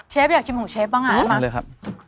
เชฟอยากกินของเชฟบ้างอะมา